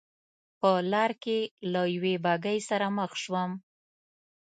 په لار کې له یوې بګۍ سره مخ شوم.